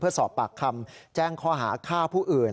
สอบปากคำแจ้งข้อหาฆ่าผู้อื่น